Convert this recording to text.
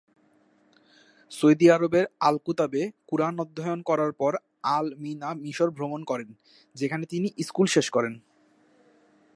Saudi আরবের আল-কুতাবে কুরআন অধ্যয়ন করার পর আল-মানা মিশর ভ্রমণ করেন, যেখানে তিনি স্কুল শেষ করেন।